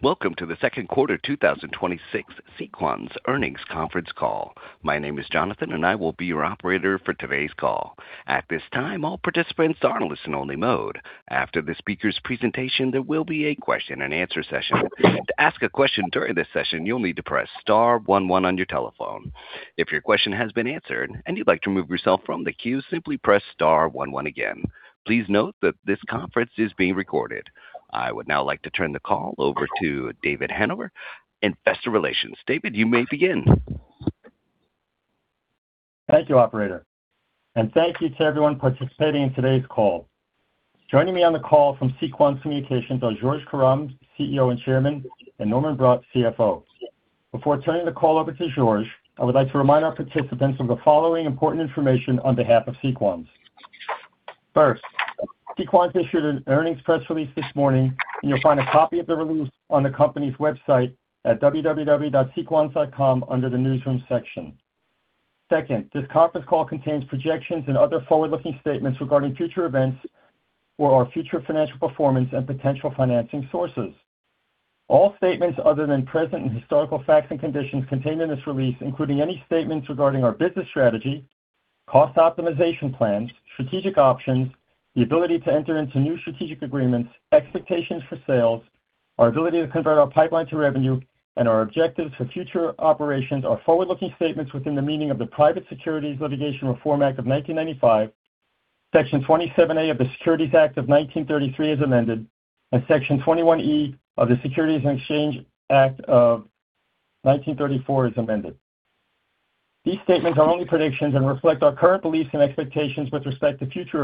Welcome to the second quarter 2026 Sequans earnings conference call. My name is Jonathan, and I will be your operator for today's call. At this time, all participants are in listen only mode. After the speaker's presentation, there will be a question and answer session. To ask a question during this session, you will need to press star one one on your telephone. If your question has been answered and you would like to remove yourself from the queue, simply press star one one again. Please note that this conference is being recorded. I would now like to turn the call over to David Hanover, Investor Relations. David, you may begin. Thank you, operator, and thank you to everyone participating in today's call. Joining me on the call from Sequans Communications are Georges Karam, CEO and Chairman, and Norman Brodt, CFO. Before turning the call over to Georges, I would like to remind our participants of the following important information on behalf of Sequans. First, Sequans issued an earnings press release this morning, and you will find a copy of the release on the company's website at www.sequans.com under the Newsroom section. Second, this conference call contains projections and other forward-looking statements regarding future events or our future financial performance and potential financing sources. All statements other than present and historical facts and conditions contained in this release, including any statements regarding our business strategy, cost optimization plans, strategic options, the ability to enter into new strategic agreements, expectations for sales, our ability to convert our pipeline to revenue, and our objectives for future operations are forward-looking statements within the meaning of the Private Securities Litigation Reform Act of 1995, Section 27A of the Securities Act of 1933, as amended, and Section 21E of the Securities Exchange Act of 1934, as amended. These statements are only predictions and reflect our current beliefs and expectations with respect to future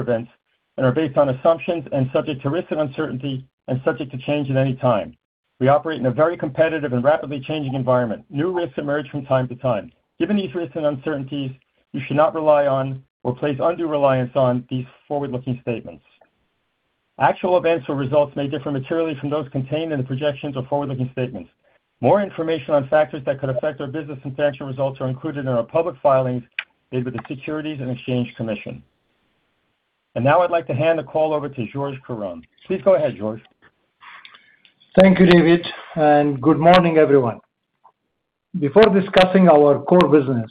events and are based on assumptions and subject to risk and uncertainty and subject to change at any time. We operate in a very competitive and rapidly changing environment. New risks emerge from time to time. Given these risks and uncertainties, you should not rely on or place undue reliance on these forward-looking statements. Actual events or results may differ materially from those contained in the projections or forward-looking statements. More information on factors that could affect our business and financial results are included in our public filings made with the Securities and Exchange Commission. Now I would like to hand the call over to Georges Karam. Please go ahead, Georges. Thank you, David, and good morning, everyone. Before discussing our core business,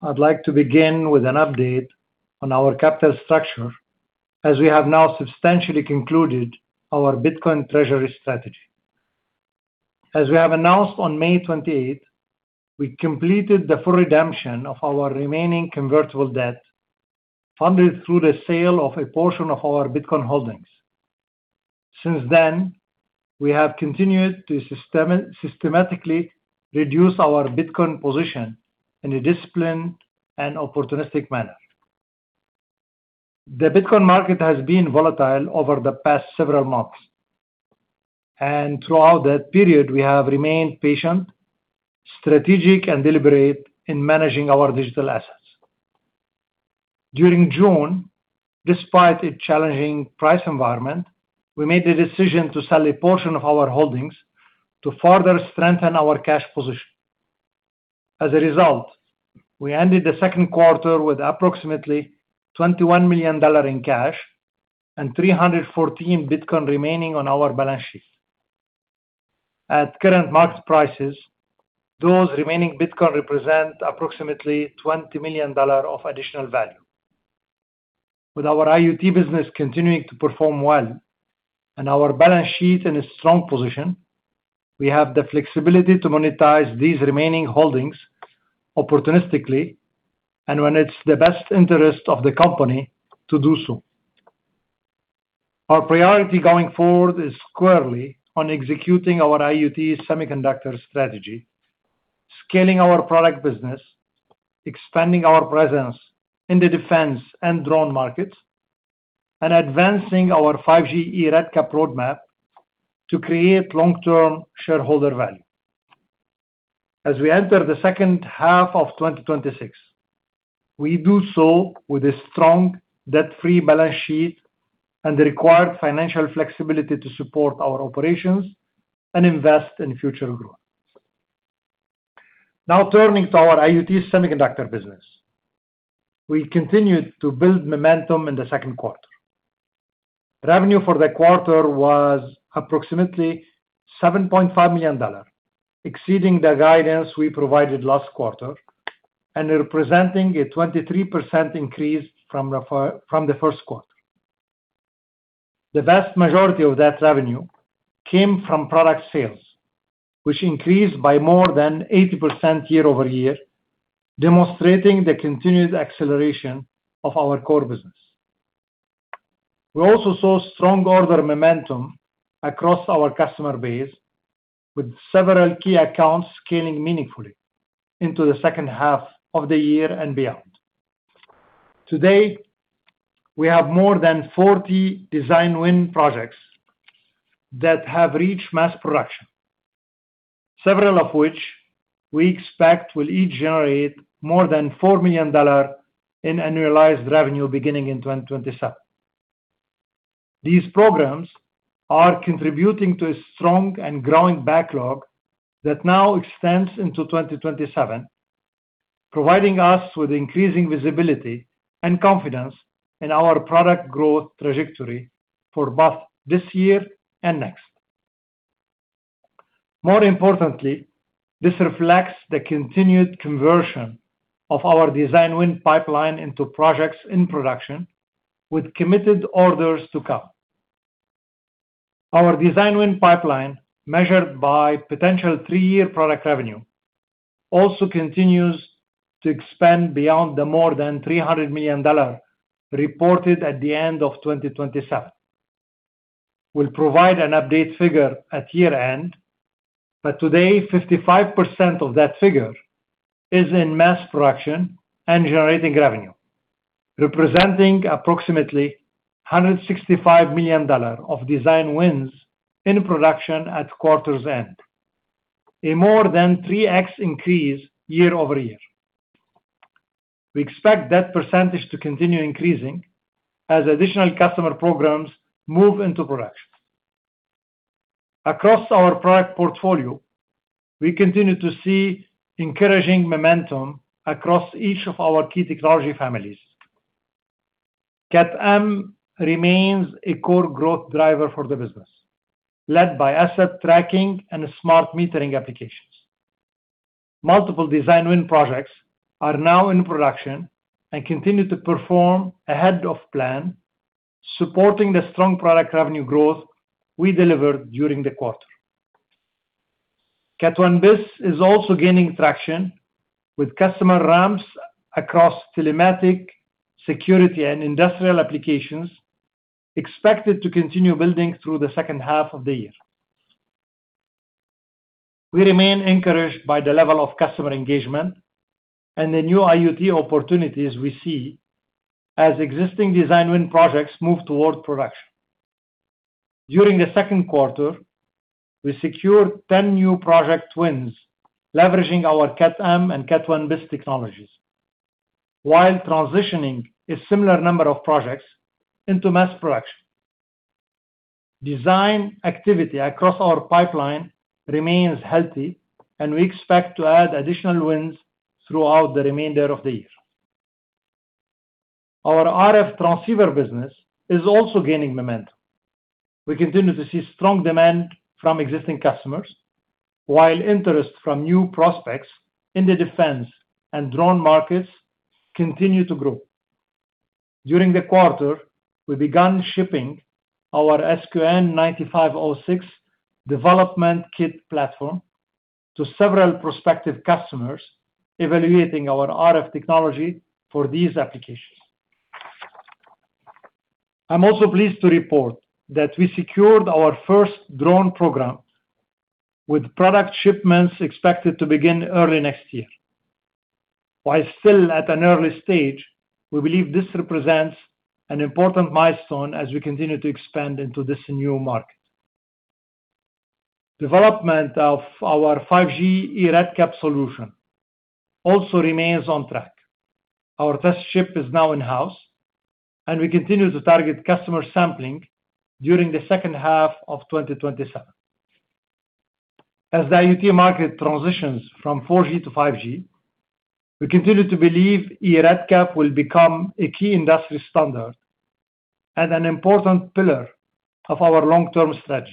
I'd like to begin with an update on our capital structure as we have now substantially concluded our Bitcoin treasury strategy. As we have announced on May 28th, we completed the full redemption of our remaining convertible debt funded through the sale of a portion of our Bitcoin holdings. We have continued to systematically reduce our Bitcoin position in a disciplined and opportunistic manner. The Bitcoin market has been volatile over the past several months, and throughout that period, we have remained patient, strategic and deliberate in managing our digital assets. During June, despite a challenging price environment, we made the decision to sell a portion of our holdings to further strengthen our cash position. As a result, we ended the second quarter with approximately $21 million in cash and 314 Bitcoin remaining on our balance sheet. At current market prices, those remaining Bitcoin represent approximately $20 million of additional value. With our IoT business continuing to perform well and our balance sheet in a strong position, we have the flexibility to monetize these remaining holdings opportunistically and when it's the best interest of the company to do so. Our priority going forward is squarely on executing our IoT semiconductor strategy, scaling our product business, expanding our presence in the defense and drone markets, and advancing our 5G eRedCap roadmap to create long-term shareholder value. As we enter the second half of 2026, we do so with a strong debt-free balance sheet and the required financial flexibility to support our operations and invest in future growth. Now turning to our IoT semiconductor business. We continued to build momentum in the second quarter. Revenue for the quarter was approximately $7.5 million, exceeding the guidance we provided last quarter and representing a 23% increase from the first quarter. The vast majority of that revenue came from product sales, which increased by more than 80% year-over-year, demonstrating the continued acceleration of our core business. We also saw strong order momentum across our customer base with several key accounts scaling meaningfully into the second half of the year and beyond. Today, we have more than 40 design win projects that have reached mass production, several of which we expect will each generate more than $4 million in annualized revenue beginning in 2027. These programs are contributing to a strong and growing backlog that now extends into 2027 providing us with increasing visibility and confidence in our product growth trajectory for both this year and next. More importantly, this reflects the continued conversion of our design win pipeline into projects in production with committed orders to come. Our design win pipeline, measured by potential three-year product revenue, also continues to expand beyond the more than $300 million reported at the end of 2027. We'll provide an update figure at year-end, but today, 55% of that figure is in mass production and generating revenue, representing approximately $165 million of design wins in production at quarter's end, a more than 3x increase year-over-year. We expect that percentage to continue increasing as additional customer programs move into production. Across our product portfolio, we continue to see encouraging momentum across each of our key technology families. Cat M remains a core growth driver for the business, led by asset tracking and smart metering applications. Multiple design win projects are now in production and continue to perform ahead of plan, supporting the strong product revenue growth we delivered during the quarter. Cat 1bis is also gaining traction with customer ramps across telematics, security, and industrial applications expected to continue building through the second half of the year. We remain encouraged by the level of customer engagement and the new IoT opportunities we see as existing design win projects move toward production. During the second quarter, we secured 10 new project wins leveraging our Cat M and Cat 1bis technologies while transitioning a similar number of projects into mass production. Design activity across our pipeline remains healthy. We expect to add additional wins throughout the remainder of the year. Our RF transceiver business is also gaining momentum. We continue to see strong demand from existing customers, while interest from new prospects in the defense and drone markets continue to grow. During the quarter, we began shipping our SQN9506 development kit platform to several prospective customers evaluating our RF technology for these applications. I am also pleased to report that we secured our first drone program with product shipments expected to begin early next year. While still at an early stage, we believe this represents an important milestone as we continue to expand into this new market. Development of our 5G eRedCap solution also remains on track. Our test ship is now in-house, and we continue to target customer sampling during the second half of 2027. As the IoT market transitions from 4G to 5G, we continue to believe eRedCap will become a key industry standard and an important pillar of our long-term strategy.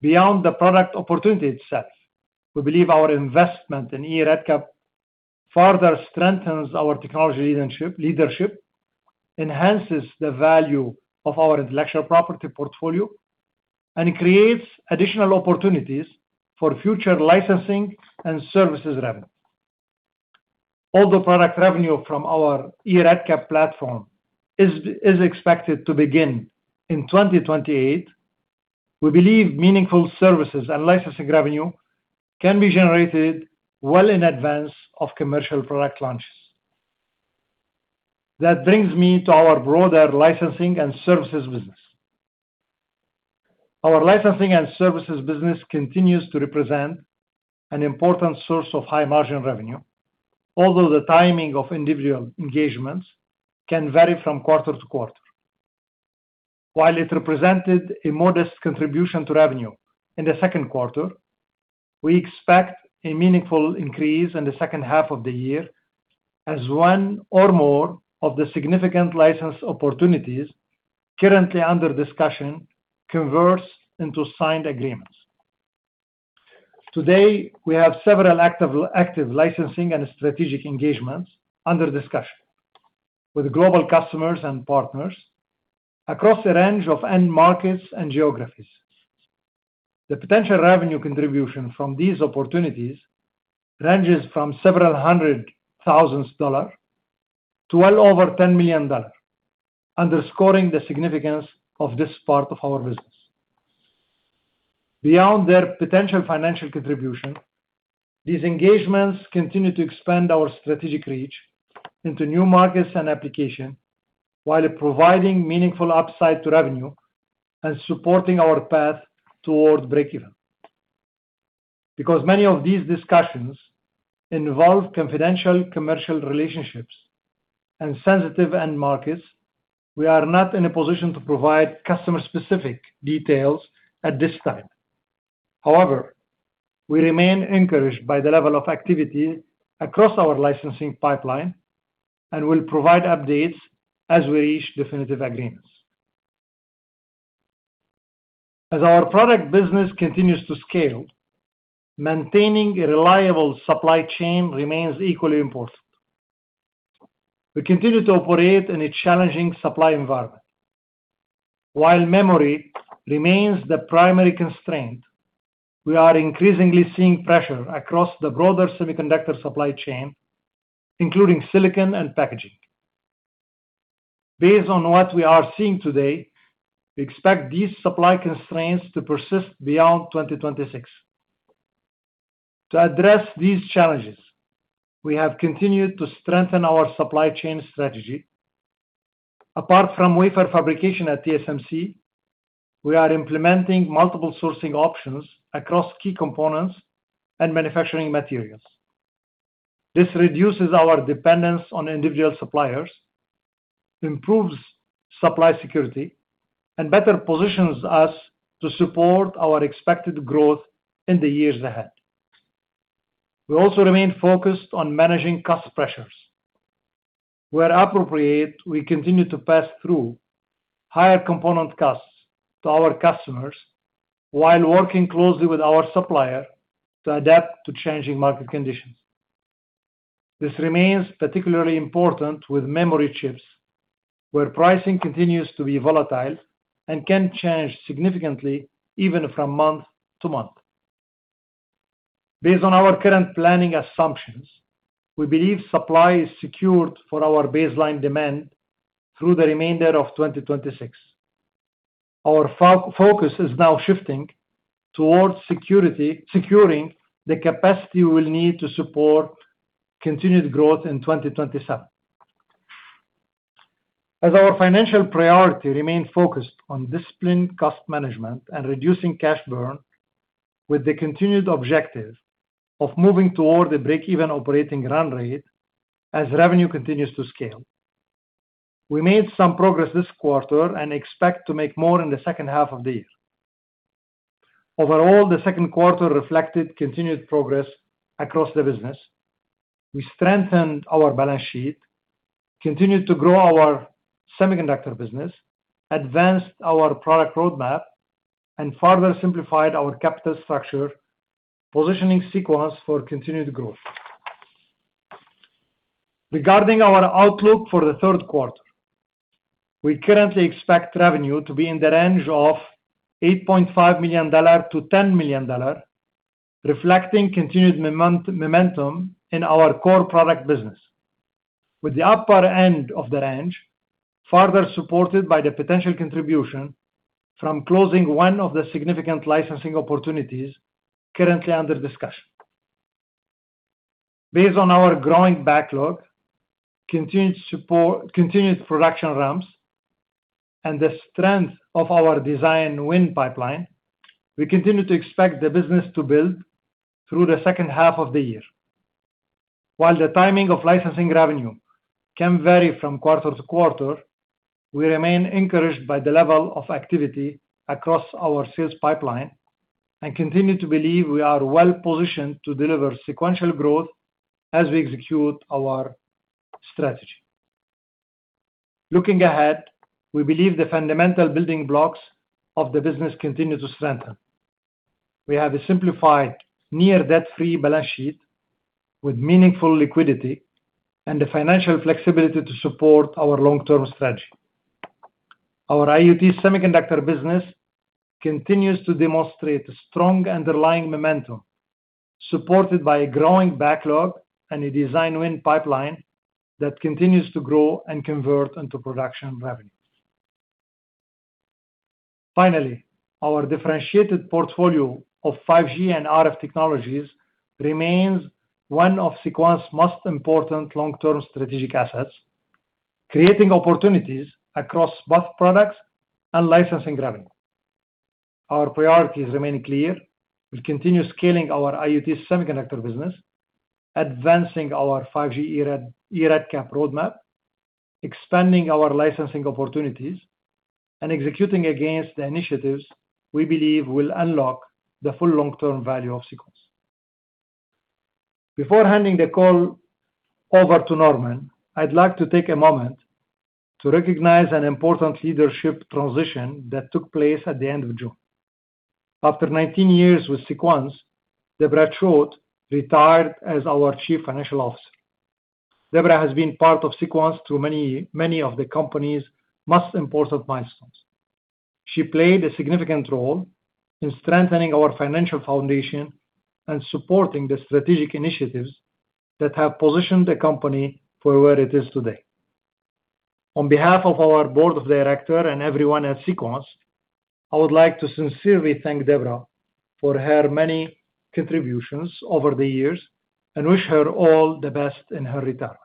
Beyond the product opportunity itself, we believe our investment in eRedCap further strengthens our technology leadership, enhances the value of our intellectual property portfolio, and creates additional opportunities for future licensing and services revenue. Although product revenue from our eRedCap platform is expected to begin in 2028, we believe meaningful services and licensing revenue can be generated well in advance of commercial product launches. That brings me to our broader licensing and services business. Our licensing and services business continues to represent an important source of high-margin revenue, although the timing of individual engagements can vary from quarter to quarter. While it represented a modest contribution to revenue in the second quarter, we expect a meaningful increase in the second half of the year as one or more of the significant license opportunities currently under discussion convert into signed agreements. Today, we have several active licensing and strategic engagements under discussion with global customers and partners across a range of end markets and geographies. The potential revenue contribution from these opportunities ranges from several hundred thousand dollars to well over $10 million, underscoring the significance of this part of our business. Beyond their potential financial contribution, these engagements continue to expand our strategic reach into new markets and application, while providing meaningful upside to revenue and supporting our path toward breakeven. Because many of these discussions involve confidential commercial relationships and sensitive end markets, we are not in a position to provide customer-specific details at this time. However, we remain encouraged by the level of activity across our licensing pipeline and will provide updates as we reach definitive agreements. As our product business continues to scale, maintaining a reliable supply chain remains equally important. We continue to operate in a challenging supply environment. While memory remains the primary constraint, we are increasingly seeing pressure across the broader semiconductor supply chain, including silicon and packaging. Based on what we are seeing today, we expect these supply constraints to persist beyond 2026. To address these challenges, we have continued to strengthen our supply chain strategy. Apart from wafer fabrication at TSMC, we are implementing multiple sourcing options across key components and manufacturing materials. This reduces our dependence on individual suppliers, improves supply security, and better positions us to support our expected growth in the years ahead. We also remain focused on managing cost pressures. Where appropriate, we continue to pass through higher component costs to our customers while working closely with our supplier to adapt to changing market conditions. This remains particularly important with memory chips, where pricing continues to be volatile and can change significantly even from month to month. Based on our current planning assumptions, we believe supply is secured for our baseline demand through the remainder of 2026. Our focus is now shifting towards securing the capacity we will need to support continued growth in 2027. As our financial priority remains focused on disciplined cost management and reducing cash burn with the continued objective of moving toward the break-even operating run rate as revenue continues to scale. We made some progress this quarter and expect to make more in the second half of the year. Overall, the second quarter reflected continued progress across the business. We strengthened our balance sheet, continued to grow our semiconductor business, advanced our product roadmap, and further simplified our capital structure, positioning Sequans for continued growth. Regarding our outlook for the third quarter, we currently expect revenue to be in the range of $8.5 million-$10 million, reflecting continued momentum in our core product business. With the upper end of the range further supported by the potential contribution from closing one of the significant licensing opportunities currently under discussion. Based on our growing backlog, continued production ramps, and the strength of our design win pipeline, we continue to expect the business to build through the second half of the year. While the timing of licensing revenue can vary from quarter to quarter, we remain encouraged by the level of activity across our sales pipeline and continue to believe we are well-positioned to deliver sequential growth as we execute our strategy. Looking ahead, we believe the fundamental building blocks of the business continue to strengthen. We have a simplified, near-debt-free balance sheet with meaningful liquidity and the financial flexibility to support our long-term strategy. Our IoT semiconductor business continues to demonstrate strong underlying momentum, supported by a growing backlog and a design win pipeline that continues to grow and convert into production revenues. Finally, our differentiated portfolio of 5G and RF technologies remains one of Sequans' most important long-term strategic assets, creating opportunities across both products and licensing revenue. Our priorities remain clear. We continue scaling our IoT semiconductor business, advancing our 5G eRedCap roadmap, expanding our licensing opportunities, and executing against the initiatives we believe will unlock the full long-term value of Sequans. Before handing the call over to Norman, I'd like to take a moment to recognize an important leadership transition that took place at the end of June. After 19 years with Sequans, Deborah Choate retired as our Chief Financial Officer. Deborah has been part of Sequans through many of the company's most important milestones. She played a significant role in strengthening our financial foundation and supporting the strategic initiatives that have positioned the company for where it is today. On behalf of our board of directors and everyone at Sequans, I would like to sincerely thank Deborah for her many contributions over the years and wish her all the best in her retirement.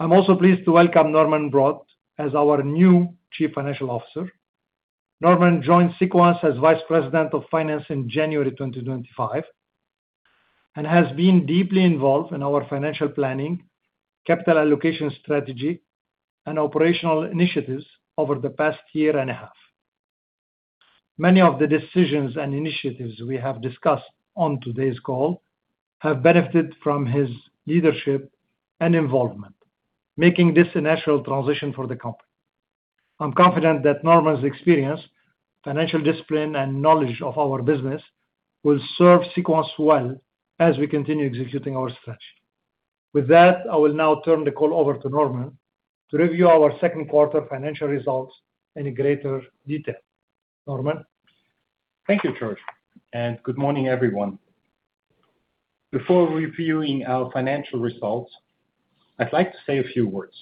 I'm also pleased to welcome Norman Brodt as our new Chief Financial Officer. Norman joined Sequans as Vice President of Finance in January 2025, and has been deeply involved in our financial planning, capital allocation strategy, and operational initiatives over the past year and a half. Many of the decisions and initiatives we have discussed on today's call have benefited from his leadership and involvement, making this a natural transition for the company. I'm confident that Norman's experience, financial discipline, and knowledge of our business will serve Sequans well as we continue executing our strategy. With that, I will now turn the call over to Norman to review our second quarter financial results in greater detail. Norman? Thank you, Georges, and good morning, everyone. Before reviewing our financial results, I'd like to say a few words.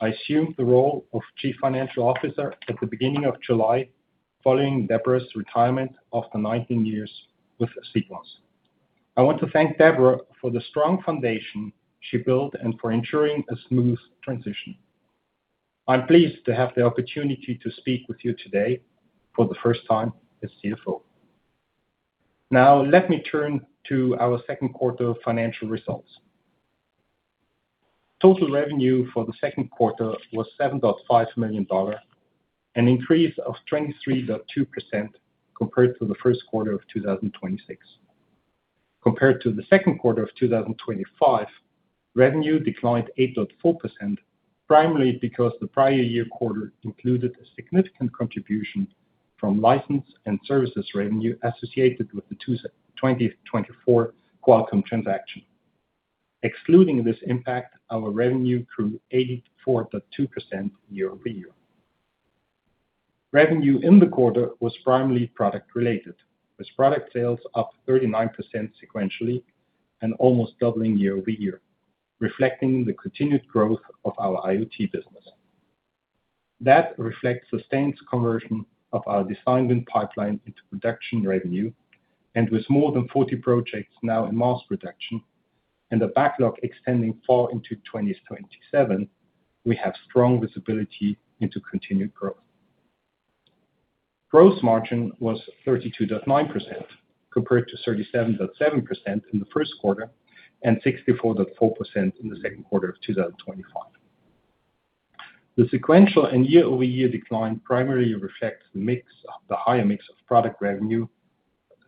I assumed the role of Chief Financial Officer at the beginning of July, following Deborah Choate's retirement after 19 years with Sequans. I want to thank Deborah for the strong foundation she built and for ensuring a smooth transition. I'm pleased to have the opportunity to speak with you today for the first time as CFO. Now, let me turn to our second quarter financial results. Total revenue for the second quarter was $7.5 million, an increase of 23.2% compared to the first quarter of 2026. Compared to the second quarter of 2025, revenue declined 8.4%, primarily because the prior year quarter included a significant contribution from license and services revenue associated with the 2024 Qualcomm transaction. Excluding this impact, our revenue grew 84.2% year-over-year. Revenue in the quarter was primarily product related, with product sales up 39% sequentially and almost doubling year-over-year, reflecting the continued growth of our IoT business. That reflects sustained conversion of our design win pipeline into production revenue, and with more than 40 projects now in mass production, and a backlog extending far into 2027, we have strong visibility into continued growth. Gross margin was 32.9%, compared to 37.7% in the first quarter and 64.4% in the second quarter of 2025. The sequential and year-over-year decline primarily reflects the higher mix of product revenue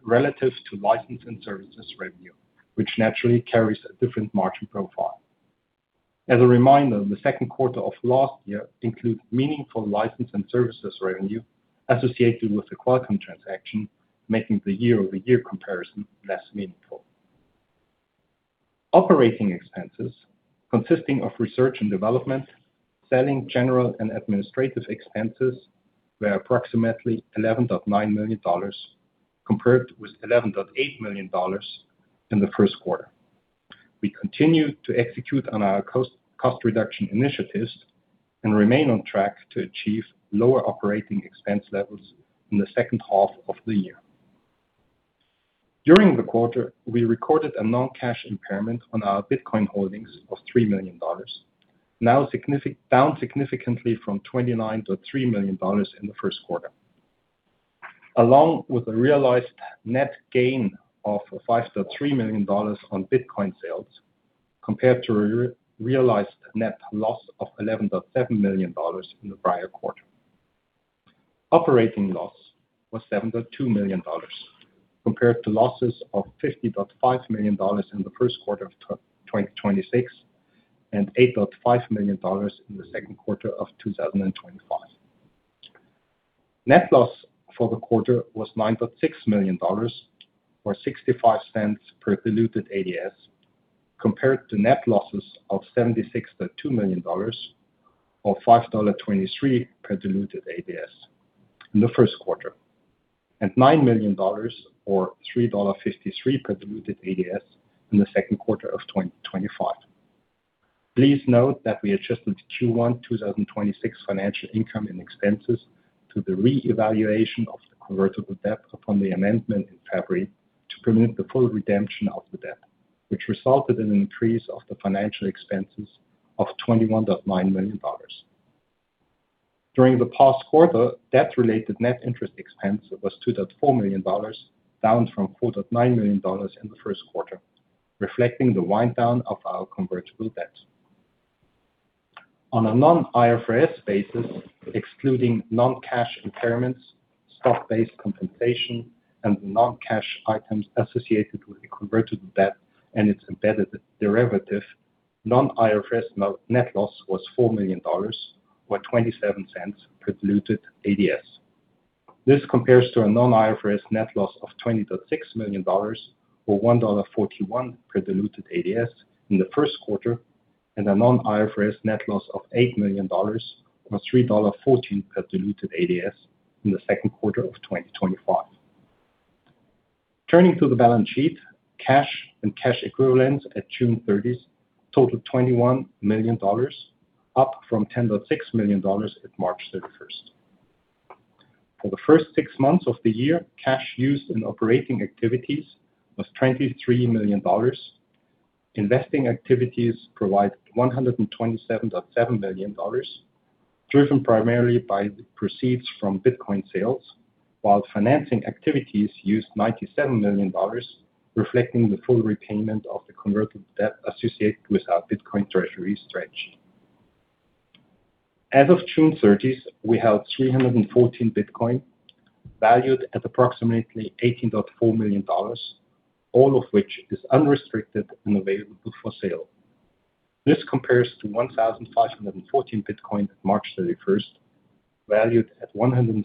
relative to license and services revenue, which naturally carries a different margin profile. As a reminder, the second quarter of last year includes meaningful license and services revenue associated with the Qualcomm transaction, making the year-over-year comparison less meaningful. Operating expenses, consisting of research and development, selling, general and administrative expenses, were approximately $11.9 million, compared with $11.8 million in the first quarter. We continue to execute on our cost reduction initiatives and remain on track to achieve lower operating expense levels in the second half of the year. During the quarter, we recorded a non-cash impairment on our Bitcoin holdings of $3 million, now down significantly from $29.3 million in the first quarter. Along with a realized net gain of $5.3 million on Bitcoin sales, compared to a realized net loss of $11.7 million in the prior quarter. Operating loss was $7.2 million, compared to losses of $50.5 million in the first quarter of 2026, and $8.5 million in the second quarter of 2025. Net loss for the quarter was $9.6 million, or $0.65 per diluted ADS, compared to net losses of $76.2 million, or $5.23 per diluted ADS in the first quarter, and $9 million, or $3.53 per diluted ADS in the second quarter of 2025. Please note that we adjusted Q1 2026 financial income and expenses to the reevaluation of the convertible debt upon the amendment in February to permit the full redemption of the debt, which resulted in an increase of the financial expenses of $21.9 million. During the past quarter, debt-related net interest expense was $2.4 million, down from $4.9 million in the first quarter, reflecting the wind down of our convertible debt. On a non-IFRS basis, excluding non-cash impairments, stock-based compensation, and the non-cash items associated with the convertible debt and its embedded derivative, non-IFRS net loss was $4 million, or $0.27 per diluted ADS. This compares to a non-IFRS net loss of $20.6 million, or $1.41 per diluted ADS in the first quarter, and a non-IFRS net loss of $8 million, or $3.14 per diluted ADS in the second quarter of 2025. Turning to the balance sheet, cash and cash equivalents at June 30th totaled $21 million, up from $10.6 million at March 31st. For the first six months of the year, cash used in operating activities was $23 million Investing activities provide $127.7 million, driven primarily by the proceeds from Bitcoin sales, while financing activities used $97 million, reflecting the full repayment of the convertible debt associated with our Bitcoin treasury strategy. As of June 30th, we held 314 Bitcoin, valued at approximately $18.4 million, all of which is unrestricted and available for sale. This compares to 1,514 Bitcoin at March 31st, valued at $103.2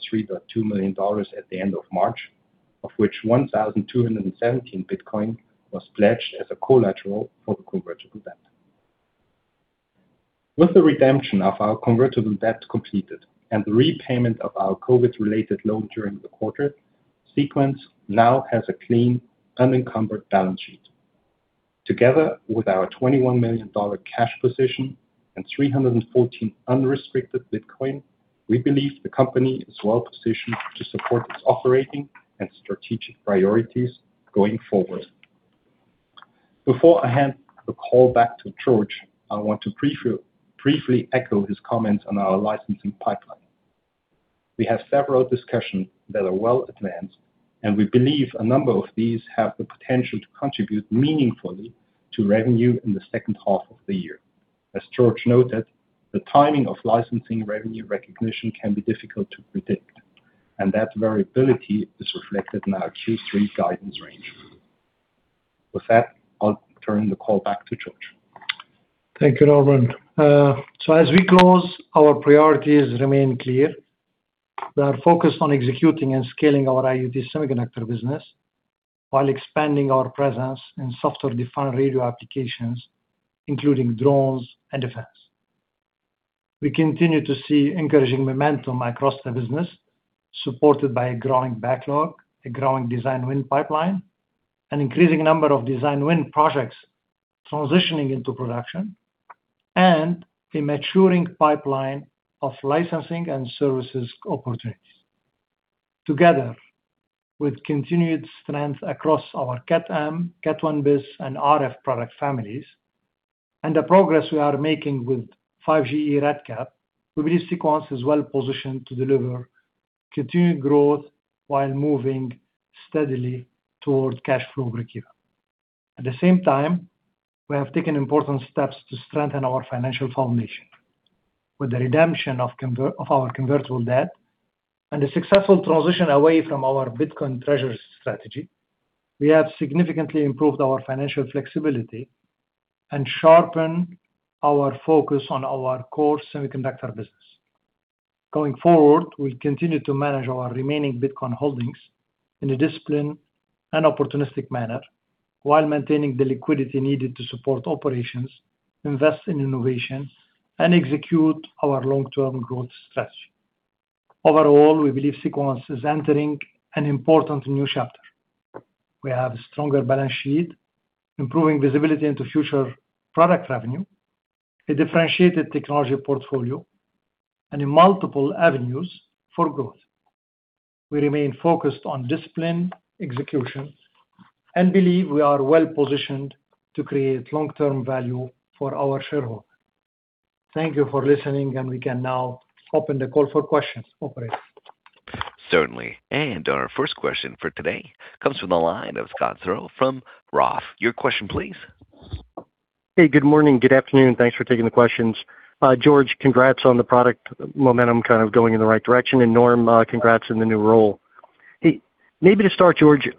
million at the end of March, of which 1,217 Bitcoin was pledged as a collateral for the convertible debt. With the redemption of our convertible debt completed and the repayment of our COVID-related loan during the quarter, Sequans now has a clean, unencumbered balance sheet. Together with our $21 million cash position and 314 unrestricted Bitcoin, we believe the company is well-positioned to support its operating and strategic priorities going forward. Before I hand the call back to Georges, I want to briefly echo his comments on our licensing pipeline. We have several discussions that are well advanced, and we believe a number of these have the potential to contribute meaningfully to revenue in the second half of the year. As Georges noted, the timing of licensing revenue recognition can be difficult to predict, and that variability is reflected in our Q3 guidance range. With that, I'll turn the call back to Georges. Thank you, Norman. As we close, our priorities remain clear. We are focused on executing and scaling our IoT semiconductor business while expanding our presence in software-defined radio applications, including drones and defense. We continue to see encouraging momentum across the business, supported by a growing backlog, a growing design win pipeline, an increasing number of design win projects transitioning into production, and a maturing pipeline of licensing and services opportunities. Together, with continued strength across our Cat M, Cat 1bis, and RF product families, and the progress we are making with 5G eRedCap, we believe Sequans is well-positioned to deliver continued growth while moving steadily toward cash flow breakeven. At the same time, we have taken important steps to strengthen our financial foundation. With the redemption of our convertible debt and the successful transition away from our Bitcoin treasury strategy, we have significantly improved our financial flexibility and sharpened our focus on our core semiconductor business. Going forward, we'll continue to manage our remaining Bitcoin holdings in a disciplined and opportunistic manner while maintaining the liquidity needed to support operations, invest in innovation, and execute our long-term growth strategy. Overall, we believe Sequans is entering an important new chapter. We have a stronger balance sheet, improving visibility into future product revenue, a differentiated technology portfolio, and in multiple avenues for growth. We remain focused on disciplined execution and believe we are well-positioned to create long-term value for our shareholders. Thank you for listening, We can now open the call for questions. Operator? Certainly. Our first question for today comes from the line of Scott Searle from Roth. Your question please. Hey, good morning, good afternoon. Thanks for taking the questions. Georges, congrats on the product momentum going in the right direction, and Norm, congrats in the new role. Maybe to start, Georges,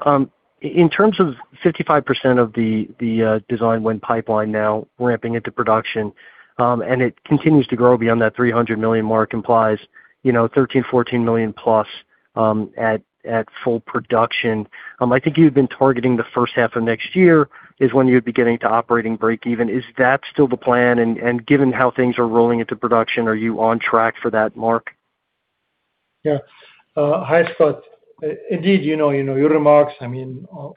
in terms of 55% of the design win pipeline now ramping into production, and it continues to grow beyond that $300 million mark implies $13 million, $14+ million at full production. I think you've been targeting the first half of next year is when you'd be getting to operating breakeven. Is that still the plan? Given how things are rolling into production, are you on track for that mark? Yeah. Hi, Scott. Indeed, your remarks,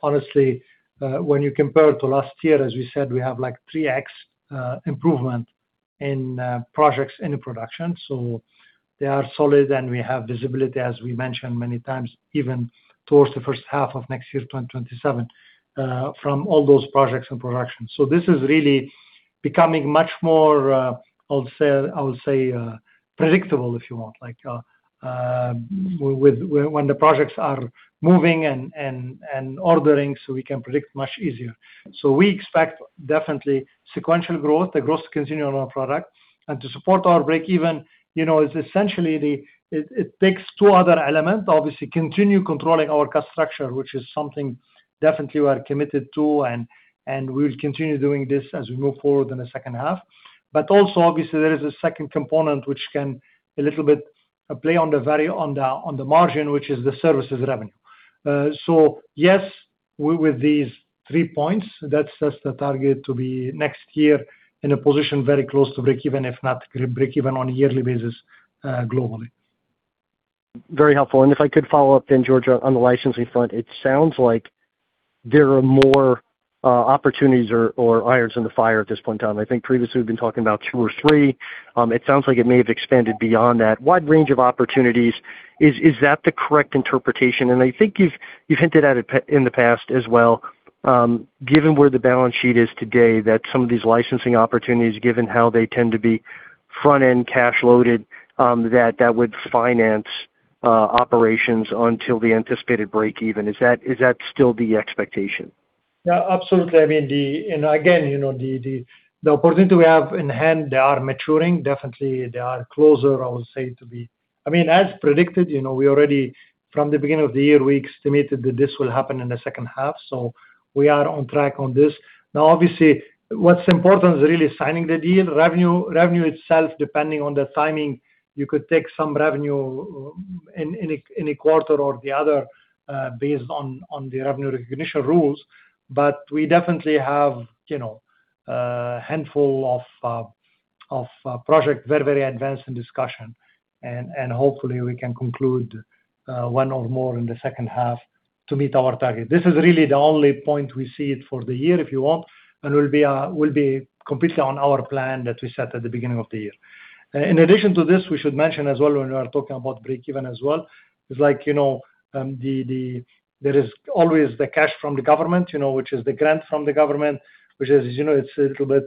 honestly, when you compare it to last year, as we said, we have 3x improvement in projects in production. They are solid, and we have visibility, as we mentioned many times, even towards the first half of next year, 2027, from all those projects in production. This is really becoming much more, I would say, predictable, if you want, when the projects are moving and ordering, we can predict much easier. We expect definitely sequential growth, the growth continuing on our product. To support our breakeven, it's essentially, it takes two other elements. Obviously, continue controlling our cost structure, which is something definitely we are committed to, and we'll continue doing this as we move forward in the second half. But also, obviously, there is a second component which can a little bit play on the margin, which is the services revenue. Yes, with these three points, that sets the target to be next year in a position very close to breakeven, if not breakeven on a yearly basis globally. Very helpful. If I could follow up then, Georges, on the licensing front. It sounds like there are more opportunities or irons in the fire at this point in time. I think previously we've been talking about two or three. It sounds like it may have expanded beyond that wide range of opportunities. Is that the correct interpretation? I think you've hinted at it in the past as well. Given where the balance sheet is today, that some of these licensing opportunities, given how they tend to be front-end cash loaded that would finance operations until the anticipated breakeven. Is that still the expectation? Again, the opportunity we have in hand, they are maturing. Definitely, they are closer, I would say. As predicted, from the beginning of the year, we estimated that this will happen in the second half. We are on track on this. Obviously, what's important is really signing the deal. Revenue itself, depending on the timing, you could take some revenue in a quarter or the other, based on the revenue recognition rules. We definitely have a handful of projects very advanced in discussion, and hopefully we can conclude one or more in the second half to meet our target. This is really the only point we see it for the year, if you want. We'll be completely on our plan that we set at the beginning of the year. In addition to this, we should mention as well, when we are talking about breakeven as well, there is always the cash from the government, which is the grant from the government, which is a little bit.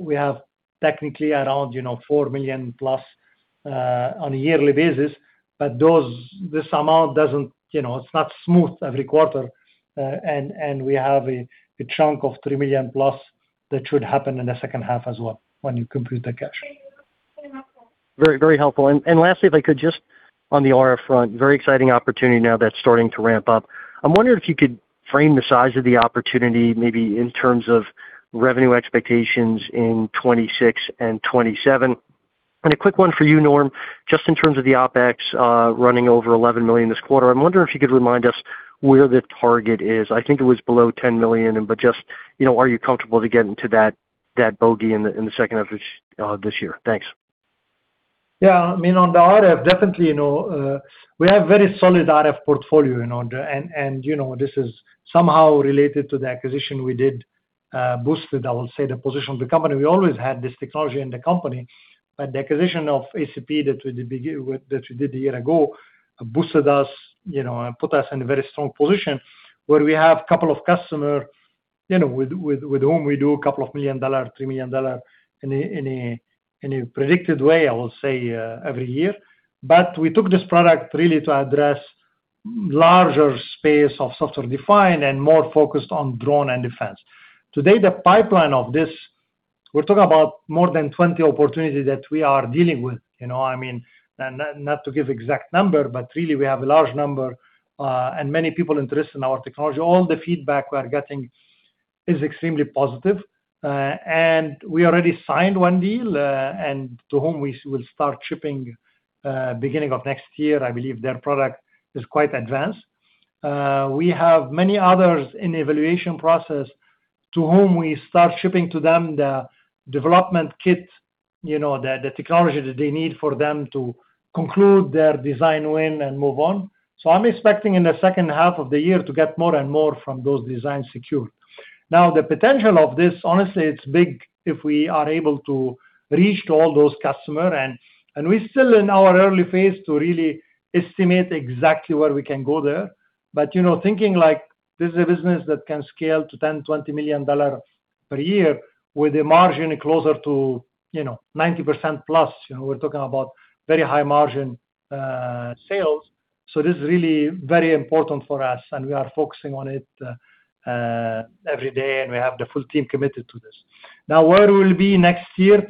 We have technically around $4+ million on a yearly basis. This amount, it's not smooth every quarter. We have a chunk of $3+ million that should happen in the second half as well, when you compute the cash. Very helpful. Lastly, if I could just on the RF front. Very exciting opportunity now that's starting to ramp up. I'm wondering if you could frame the size of the opportunity, maybe in terms of revenue expectations in 2026 and 2027. A quick one for you, Norm, just in terms of the OpEx running over $11 million this quarter, I'm wondering if you could remind us where the target is. I think it was below $10 million. Are you comfortable to get into that bogey in the second half of this year? Thanks. On the RF, definitely, we have very solid RF portfolio in order. This is somehow related to the acquisition we did, boosted, I would say, the position of the company. We always had this technology in the company. The acquisition of ACP that we did a year ago boosted us and put us in a very strong position where we have couple of customer, with whom we do a couple of million dollar, $3 million in a predicted way, I would say, every year. We took this product really to address larger space of software-defined and more focused on drone and defense. Today, the pipeline of this, we're talking about more than 20 opportunities that we are dealing with. Not to give exact number. We have a large number. Many people interested in our technology. All the feedback we are getting is extremely positive. We already signed one deal, and to whom we will start shipping, beginning of next year. I believe their product is quite advanced. We have many others in the evaluation process to whom we start shipping to them the development kit, the technology that they need for them to conclude their design win and move on. I'm expecting in the second half of the year to get more and more from those designs secured. The potential of this, honestly, it's big if we are able to reach to all those customer. We're still in our early phase to really estimate exactly where we can go there. Thinking like this is a business that can scale to $10 million, $20 million per year with a margin closer to 90%+. We're talking about very high-margin sales. This is really very important for us, and we are focusing on it every day, and we have the full team committed to this. Where we will be next year?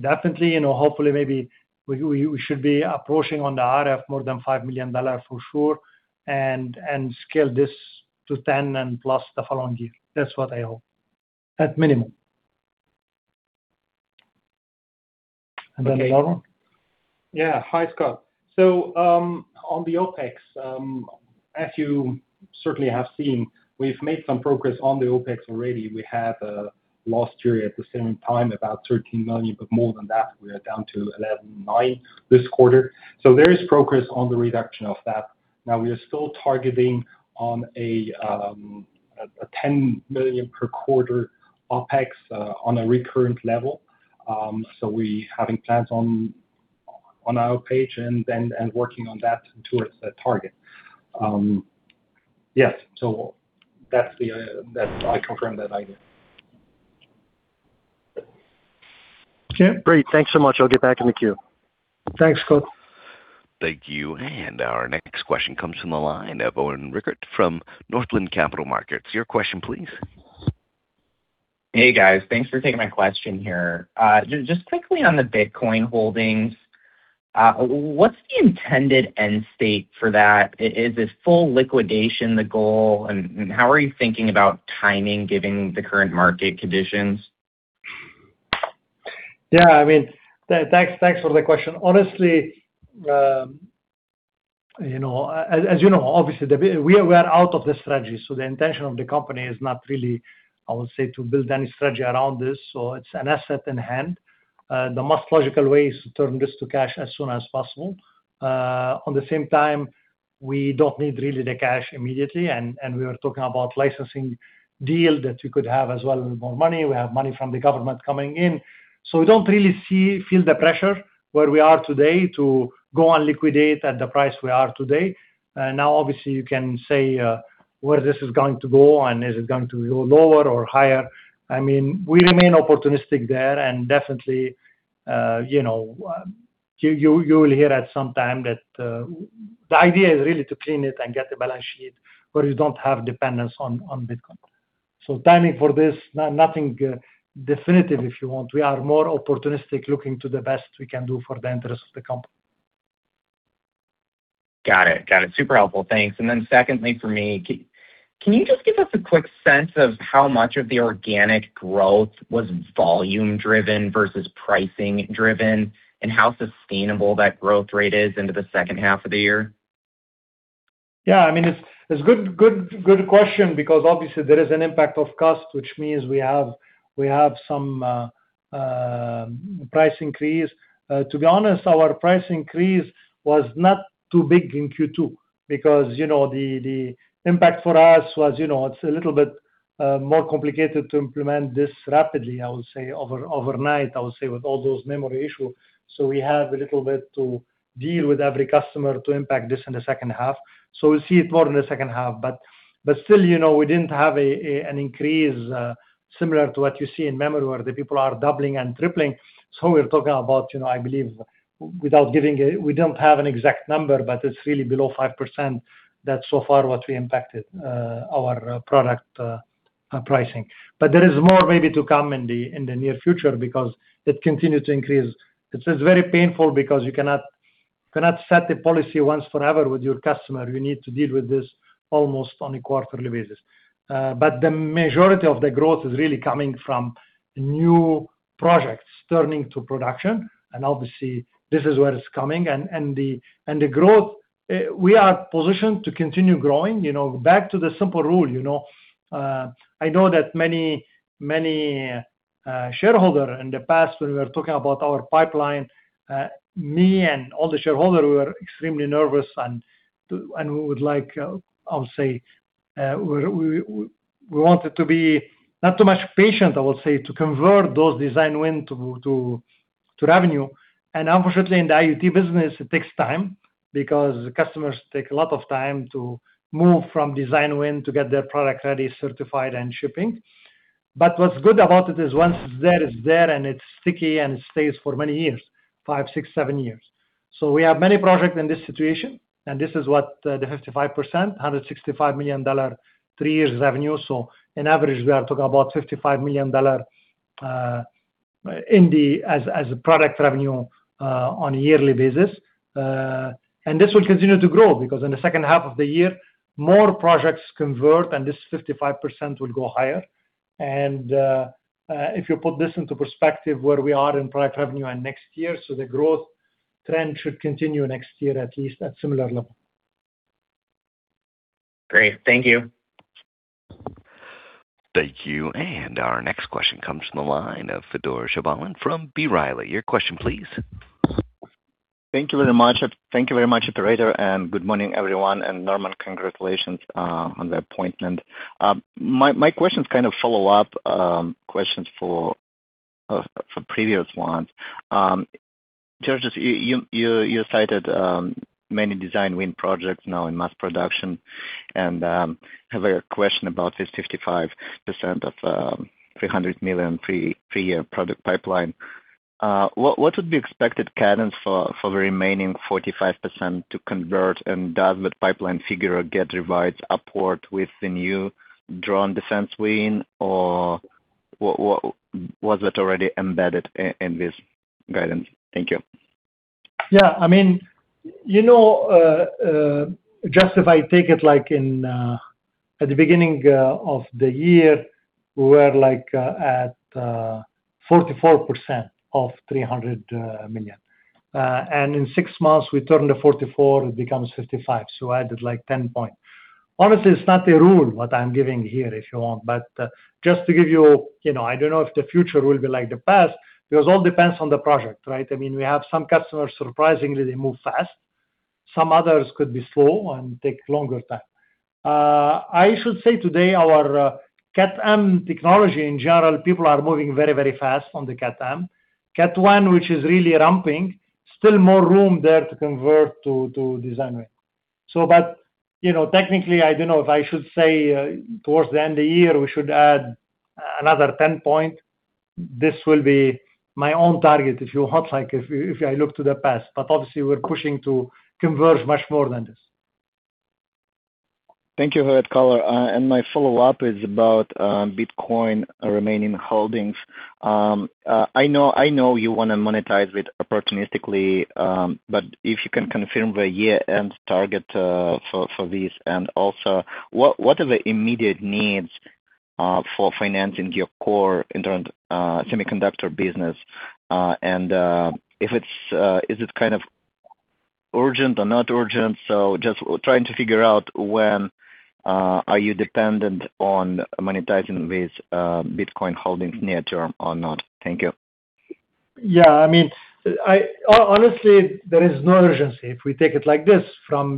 Definitely, hopefully, maybe we should be approaching on the RF more than $5 million for sure, and scale this to $10+ million the following year. That's what I hope, at minimum. Then Norman? Yeah. Hi, Scott. On the OpEx, as you certainly have seen, we've made some progress on the OpEx already. We have last year at the same time about $13 million, but more than that, we are down to $11.9 million this quarter. There is progress on the reduction of that. We are still targeting on a $10 million per quarter OpEx on a recurrent level. We having plans on our page and working on that towards that target. Yes. I confirm that idea. Okay. Great. Thanks so much. I'll get back in the queue. Thanks, Scott. Thank you. Our next question comes from the line of Owen Rickert from Northland Capital Markets. Your question please. Hey, guys. Thanks for taking my question here. Just quickly on the Bitcoin holdings, what's the intended end state for that? Is this full liquidation the goal? How are you thinking about timing, given the current market conditions? Yeah. Thanks for the question. Obviously, we are out of the strategy. The intention of the company is not really, I would say, to build any strategy around this. It's an asset in hand. The most logical way is to turn this to cash as soon as possible. At the same time, we don't need really the cash immediately, and we were talking about licensing deal that we could have as well with more money. We have money from the government coming in. We don't really feel the pressure where we are today to go and liquidate at the price we are today. Now, obviously, you can say where this is going to go, and is it going to go lower or higher? We remain opportunistic there. Definitely, you will hear at some time that the idea is really to clean it and get the balance sheet where you don't have dependence on Bitcoin. Timing for this, nothing definitive, if you want. We are more opportunistic, looking to the best we can do for the interest of the company. Got it. Super helpful. Thanks. Secondly for me, can you just give us a quick sense of how much of the organic growth was volume-driven versus pricing-driven, and how sustainable that growth rate is into the second half of the year? Yeah. It's a good question because obviously there is an impact of cost, which means we have some price increase. To be honest, our price increase was not too big in Q2 because the impact for us was, it's a little bit more complicated to implement this rapidly, I would say overnight with all those memory issues. We have a little bit to deal with every customer to impact this in the second half. We'll see it more in the second half. Still, we didn't have an increase, similar to what you see in memory, where the people are doubling and tripling. We're talking about, I believe, we don't have an exact number, but it's really below 5%. That's so far what we impacted our product pricing. There is more maybe to come in the near future because it continues to increase. It is very painful because you cannot set a policy once and forever with your customer. You need to deal with this almost on a quarterly basis. The majority of the growth is really coming from new projects turning to production. Obviously, this is where it's coming. The growth, we are positioned to continue growing. Back to the simple rule. I know that many shareholder in the past, when we were talking about our pipeline, me and all the shareholder, we were extremely nervous, and we wanted to be not too much patient, I would say, to convert those design wins to revenue. Unfortunately, in the IoT business, it takes time because the customers take a lot of time to move from design win to get their product ready, certified, and shipping. What's good about it is once it's there, it's there, and it's sticky, and it stays for many years, five, six, seven years. We have many projects in this situation, and this is what the 55%, $165 million, three years revenue. On average, we are talking about $55 million as product revenue on a yearly basis. This will continue to grow because in the second half of the year, more projects convert, and this 55% will go higher. If you put this into perspective, where we are in product revenue and next year, the growth trend should continue next year at least at similar level. Great. Thank you. Thank you. Our next question comes from the line of Fedor Shabalin from B. Riley. Your question, please. Thank you very much operator, and good morning, everyone. Norman, congratulations on the appointment. My questions kind of follow up questions for previous ones. Georges, you cited many design win projects now in mass production, and I have a question about this 55% of $300 million three-year product pipeline. What would be expected cadence for the remaining 45% to convert, and does that pipeline figure get revised upward with the new drone defense win, or was it already embedded in this guidance? Thank you. Yeah. Just if I take it, like at the beginning of the year, we were at 44% of $300 million. In six months, we turned the 44%, it becomes 55%. Added, like, 10 points. Honestly, it's not a rule, what I'm giving here, if you want. Just to give you, I don't know if the future will be like the past, because it all depends on the project, right? We have some customers, surprisingly, they move fast. Some others could be slow and take a longer time. I should say today, our Cat M technology, in general, people are moving very fast on the Cat M. Cat 1, which is really ramping, still more room there to convert to design win. Technically, I don't know if I should say towards the end of the year, we should add another 10 points. This will be my own target, if you like, if I look to the past. Obviously, we're pushing to converge much more than this. Thank you for that color. My follow-up is about Bitcoin remaining holdings. I know you want to monetize it opportunistically, but if you can confirm the year-end target for this, and also, what are the immediate needs for financing your core internet semiconductor business? Is it kind of urgent or not urgent? Just trying to figure out when are you dependent on monetizing these Bitcoin holdings near term or not. Thank you. Yeah. Honestly, there is no urgency if we take it like this. For all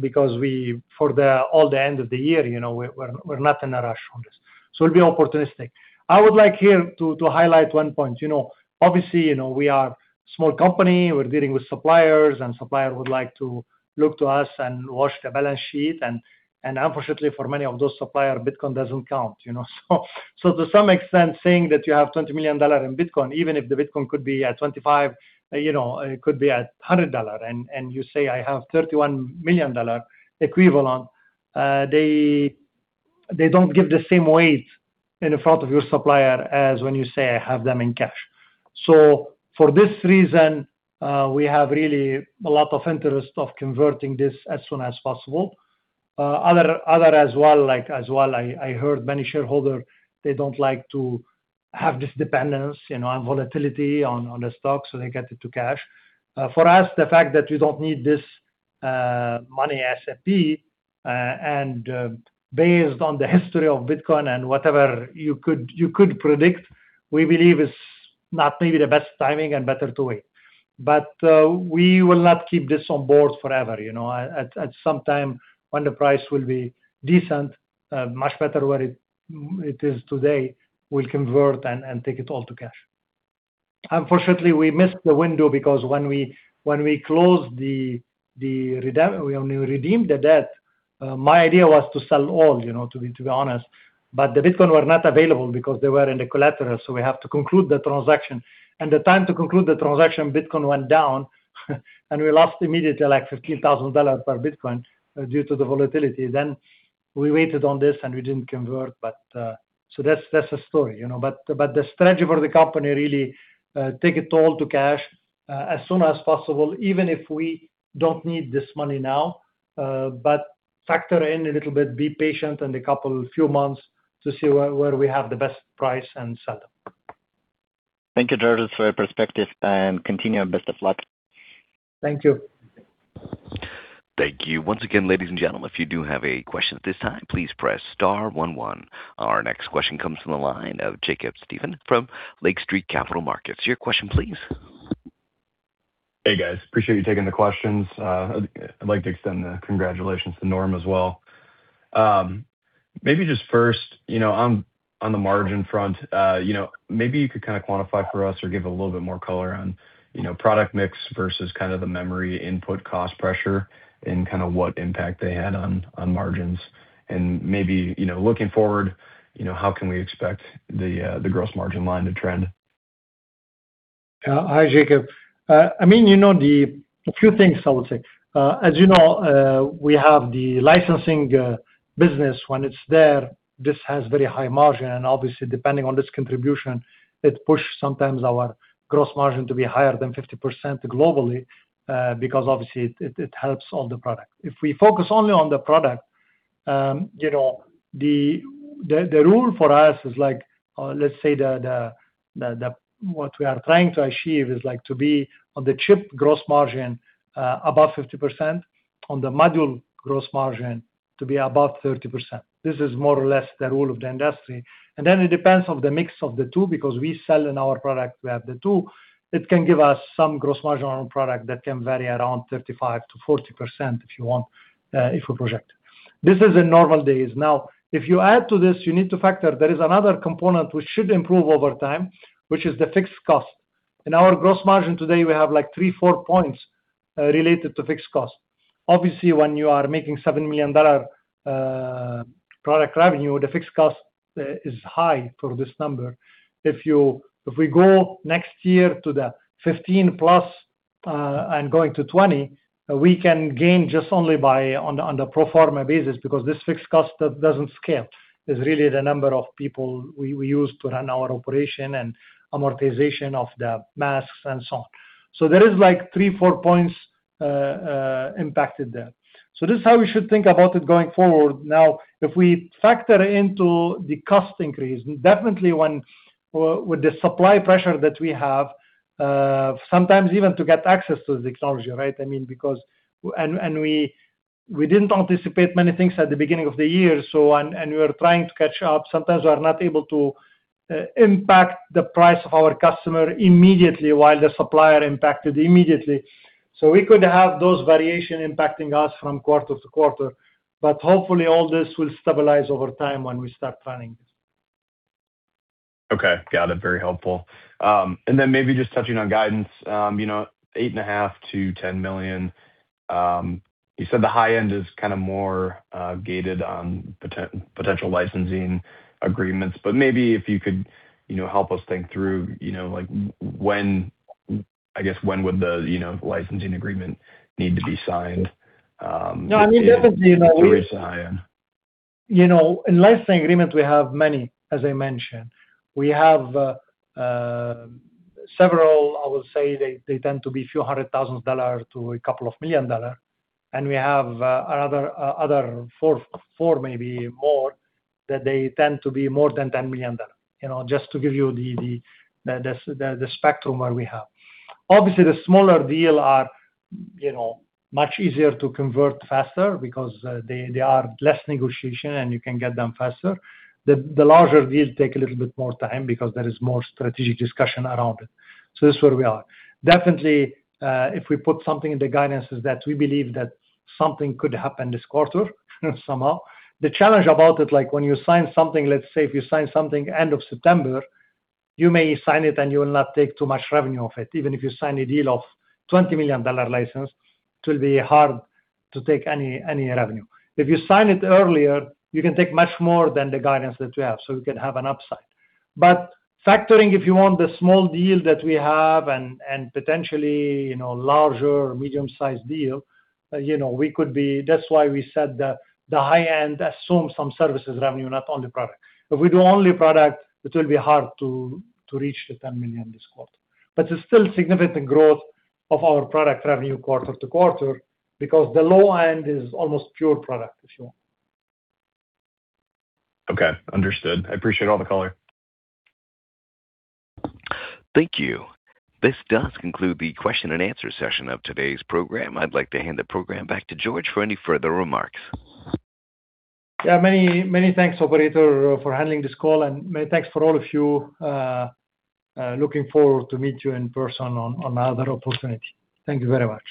the end of the year, we're not in a rush on this. It'll be opportunistic. I would like here to highlight one point. Obviously, we are a small company. We're dealing with suppliers, and suppliers would like to look to us and watch the balance sheet. Unfortunately for many of those suppliers, Bitcoin doesn't count. To some extent, saying that you have $20 million in Bitcoin, even if the Bitcoin could be at $25, it could be at $100, and you say, "I have $31 million equivalent." They don't give the same weight in front of your supplier as when you say, "I have them in cash." For this reason, we have really a lot of interest of converting this as soon as possible. Other as well, I heard many shareholders, they don't like to have this dependence and volatility on the stock, so they get it to cash. For us, the fact that we don't need this money ASAP, and based on the history of Bitcoin and whatever you could predict, we believe is not maybe the best timing and better to wait. We will not keep this on board forever. At some time when the price will be decent, much better where it is today, we'll convert and take it all to cash. Unfortunately, we missed the window because when we closed the redeem, we only redeemed the debt. My idea was to sell all, to be honest. The Bitcoin were not available because they were in the collateral, so we have to conclude the transaction. The time to conclude the transaction, Bitcoin went down, and we lost immediately, like $15,000 per Bitcoin due to the volatility. We waited on this, and we didn't convert, but, so that's the story. The strategy for the company really, take it all to cash, as soon as possible, even if we don't need this money now. Factor in a little bit, be patient in a couple, few months to see where we have the best price and sell them. Thank you, Georges, for your perspective, and continue and best of luck. Thank you. Thank you. Once again, ladies and gentlemen, if you do have a question at this time, please press star one one. Our next question comes from the line of Jacob Stephan from Lake Street Capital Markets. Your question please. Hey, guys. Appreciate you taking the questions. I'd like to extend the congratulations to Norm as well. Maybe just first, on the margin front, maybe you could quantify for us or give a little bit more color on product mix versus the memory input cost pressure and what impact they had on margins. Maybe, looking forward, how can we expect the gross margin line to trend? Hi, Jacob. A few things I would say. As you know, we have the licensing business when it's there. Obviously, depending on this contribution, it push sometimes our gross margin to be higher than 50% globally, because obviously it helps all the product. If we focus only on the product, the rule for us is, let's say what we are trying to achieve is to be on the chip gross margin, above 50%, on the module gross margin to be above 30%. This is more or less the rule of the industry. Then it depends on the mix of the two, because we sell in our product, we have the two. It can give us some gross margin on product that can vary around 35%-40% if you want, if we project. This is in normal days. Now, if you add to this, you need to factor, there is another component which should improve over time, which is the fixed cost. In our gross margin today, we have like three, four points, related to fixed cost. Obviously, when you are making $7 million product revenue, the fixed cost is high for this number. If we go next year to the $15+ million, and going to $20 million, we can gain just only by, on the pro forma basis, because this fixed cost doesn't scale. It's really the number of people we use to run our operation and amortization of the masks and so on. There is like three, four points impacted there. This is how we should think about it going forward. If we factor into the cost increase, definitely with the supply pressure that we have, sometimes even to get access to the technology, right? We didn't anticipate many things at the beginning of the year, and we were trying to catch up. Sometimes we are not able to impact the price of our customer immediately while the supplier impacted immediately. We could have those variations impacting us from quarter to quarter, but hopefully all this will stabilize over time when we start planning this. Okay. Got it. Very helpful. Then maybe just touching on guidance, $8.5 million-$10 million. You said the high end is more gated on potential licensing agreements, maybe if you could help us think through, I guess, when would the licensing agreement need to be signed- No, I mean, definitely- to reach the high end? Licensing agreement, we have many, as I mentioned. We have several, I would say they tend to be few hundred thousand dollars to a couple of million dollars. We have other four, maybe more, that they tend to be more than $10 million. Just to give you the spectrum where we have. Obviously, the smaller deals are much easier to convert faster because they are less negotiation, and you can get them faster. The larger deals take a little bit more time because there is more strategic discussion around it. This is where we are. Definitely, if we put something in the guidance is that we believe that something could happen this quarter, somehow. The challenge about it, like when you sign something, let's say if you sign something end of September, you may sign it, and you will not take too much revenue off it. Even if you sign a deal of $20 million license, it will be hard to take any revenue. If you sign it earlier, you can take much more than the guidance that we have, so we can have an upside. Factoring if you want the small deal that we have and potentially larger or medium-sized deal, that's why we said that the high end assumes some services revenue, not only product. If we do only product, it will be hard to reach the $10 million this quarter. It's still significant growth of our product revenue quarter-over-quarter because the low end is almost pure product, if you want. Okay, understood. I appreciate all the color. Thank you. This does conclude the question and answer session of today's program. I'd like to hand the program back to Georges for any further remarks. Yeah, many thanks, operator, for handling this call. Many thanks for all of you. Looking forward to meet you in person on other opportunity. Thank you very much.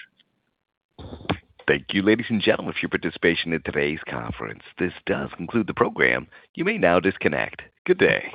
Thank you, ladies and gentlemen, for your participation in today's conference. This does conclude the program. You may now disconnect. Good day.